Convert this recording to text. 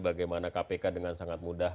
bagaimana kpk dengan sangat mudah